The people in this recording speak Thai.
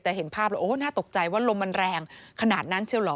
แต่เห็นภาพแล้วโอ้น่าตกใจว่าลมมันแรงขนาดนั้นเชียวเหรอ